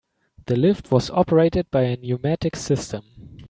The lift was operated by a pneumatic system.